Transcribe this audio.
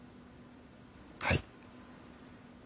はい。